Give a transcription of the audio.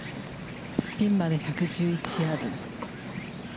ピンまで１１１ヤード。